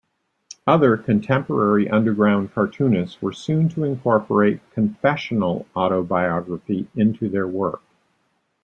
Other contemporary underground cartoonists were soon to incorporate confessional autobiography into their work.